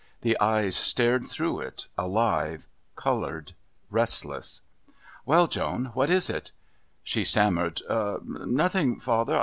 The eyes stared through it, alive, coloured, restless. "Well, Joan, what is it?" She stammered, "Nothing, father.